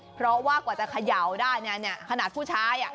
เพราะว่ากว่าจะเขย่าได้เนี่ยขนาดผู้ชาย